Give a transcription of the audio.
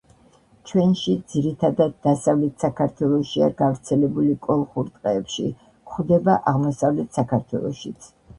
ჩვენში ძირითადად დასავლეთ საქართველოშია გავრცელებული კოლხურ ტყეებში, გვხვდება აღმოსავლეთ საქართველოშიც.